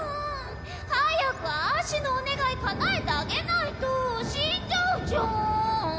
早くあーしのお願いかなえてあげないと死んじゃうじゃーん。